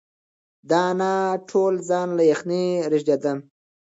د انا ټول ځان له یخنۍ رېږدېده.